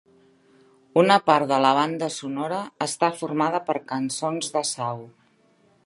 Una part de la banda sonora està formada per cançons de Sau.